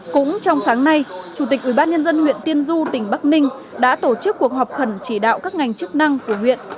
cũng trong sáng nay chủ tịch ubnd huyện tiên du tỉnh bắc ninh đã tổ chức cuộc họp khẩn chỉ đạo các ngành chức năng của huyện